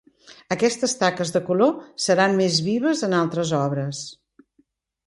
Aquestes taques de color seran més vives en altres obres.